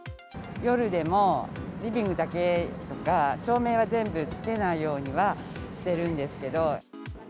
夜でも、リビングだけとか、照明は全部つけないようにはしてるんですけど。